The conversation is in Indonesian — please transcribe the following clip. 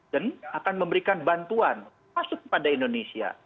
dan akan memberikan bantuan masuk kepada indonesia